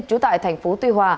trú tại tp hcm